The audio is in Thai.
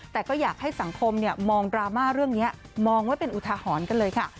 แต่ก็อยากให้สังคมมองดราม่าเรื่องนี้มองไว้เป็นอุทหรณ์กันเลยค่ะ